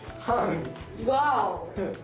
ワオ！